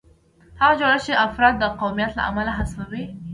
هغه جوړښت چې افراد د قومیت له امله حذفوي.